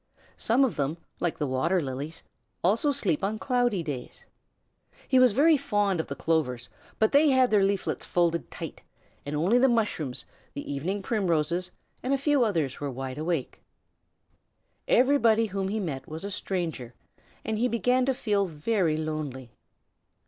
Some of them, like the water lilies, also sleep on cloudy days. He was very fond of the clovers, but they had their leaflets folded tight, and only the mushrooms, the evening primroses, and a few others were wide awake. Everybody whom he met was a stranger, and he began to feel very lonely.